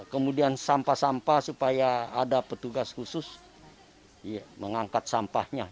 kemudian sampah sampah supaya ada petugas khusus mengangkat sampahnya